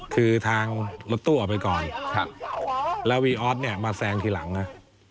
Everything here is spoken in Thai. คือทางรถตู้ออกไปก่อนครับแล้ววีออสเนี่ยมาแซงทีหลังนะ